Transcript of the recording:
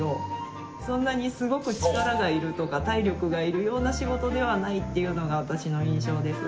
そんなにすごく力がいるとか体力がいるような仕事ではないっていうのが私の印象です。